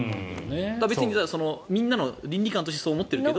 別にみんなの倫理観としてそう思ってるけど。